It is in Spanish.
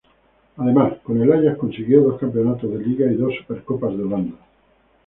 Además, con el Ajax consiguió dos campeonatos de Liga y dos Supercopas de Holanda.